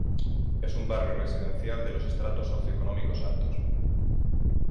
Es un barrio residencial de los estratos socio-económicos altos.